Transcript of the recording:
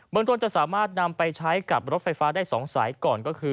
เมืองต้นจะสามารถนำไปใช้กับรถไฟฟ้าได้๒สายก่อนก็คือ